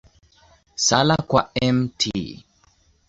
Sala kwa Mt.